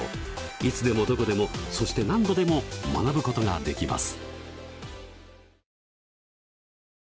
いつでもどこでもそして何度でも学ぶことができます。